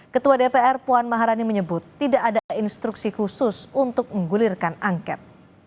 ketua dpr puan maharani menyebut tidak ada instruksi khusus untuk menggulirkan angket